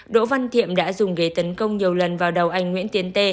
đỗ văn thiệm đã dùng ghế tấn công nhiều lần vào đầu anh nguyễn tiến t